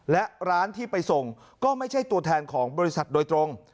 และร้านที่ไปส่งก็ไม่ใช่ตัวแทนของบริษัทโดยตรง